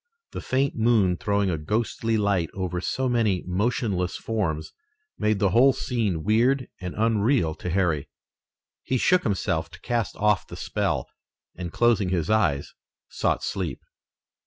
The faint moon throwing a ghostly light over so many motionless forms made the whole scene weird and unreal to Harry. He shook himself to cast off the spell, and, closing his eyes, sought sleep.